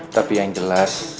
tapi yang jelas